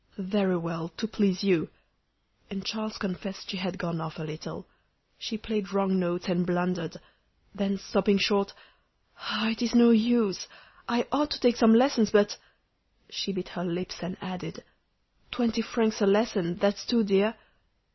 "Very well; to please you!" And Charles confessed she had gone off a little. She played wrong notes and blundered; then, stopping short "Ah! it is no use. I ought to take some lessons; but " She bit her lips and added, "Twenty francs a lesson, that's too dear!"